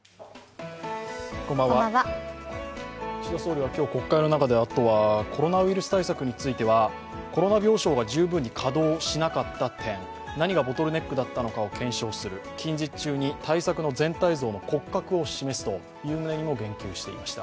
岸田総理は今日、国会の中でコロナウイルス対策についてはコロナ病床が十分に稼働しなかった点何がボトルネックだったのかを検証する近日中に対策の全体像の骨格を示すという面にも言及していました。